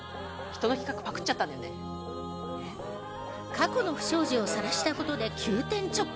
過去の不祥事をさらしたことで急転直下。